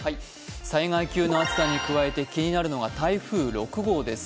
災害級の暑さに加えて気になるのが台風６号です。